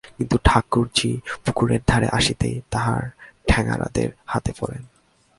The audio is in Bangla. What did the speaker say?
কিন্তু ঠাকুরঝি পুকুরের ধারে আসিতেই তাঁহারা ঠ্যাঙাড়েদের হাতে পড়েন।